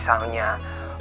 kita berdua enjoy aja